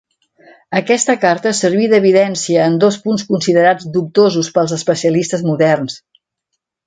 Aquesta carta serví d'evidència en dos punts considerats dubtosos pels especialistes moderns.